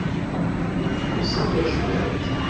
Ḥebset ajbad.